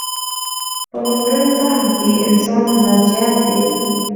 په مډرن فهم کې انسان مرجعیت دی.